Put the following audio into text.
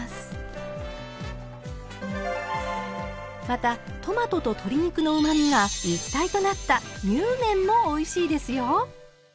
またトマトと鶏肉のうまみが一体となったにゅうめんもおいしいですよ。